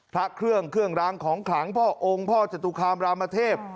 พระเครื่องเครื่องรางของขลังพ่อองค์พ่อจตุคามรามเทพ